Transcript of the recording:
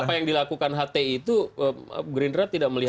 kalau apa yang dilakukan hti itu green rat tidak melihat